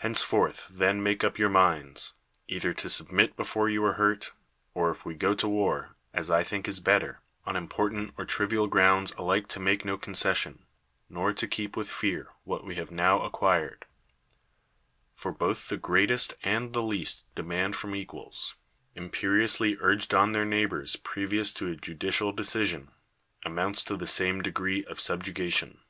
Henceforth then make up your minds, either to submit before you are hurt, or, if we go to vvar, as I think is better, on important or trivial grounds alike to m^ake no concession, nor to keep with fear what we have now acquired; for both the greatest and the least demand from equals, imperiously urged on their neighbors previous to a judicial decision, amounts to the same de gree of subjugation.